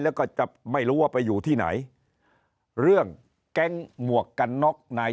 แล้วก็จะไม่รู้ว่าไปอยู่ที่ไหนเรื่องแก๊งหมวกกันน็อกนาย